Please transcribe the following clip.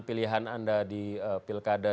pilihan anda di pilkada